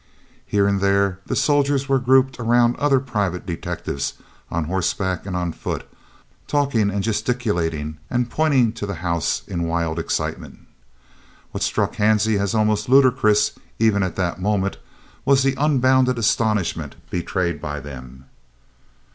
Here and there the soldiers were grouped around other private detectives, on horseback and on foot, talking and gesticulating and pointing to the house in wild excitement. What struck Hansie as almost ludicrous, even at that moment, was the unbounded astonishment betrayed by them.